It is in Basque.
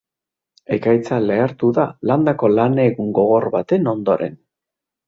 Ekaitza lehertu da landako lan egun gogor baten ondoren.